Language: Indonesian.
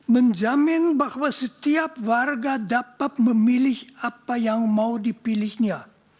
menjamin bahwa setiap warga dapat memilih apa yang mau dipilihnya